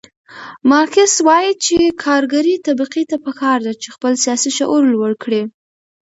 مارکس وایي چې کارګرې طبقې ته پکار ده چې خپل سیاسي شعور لوړ کړي.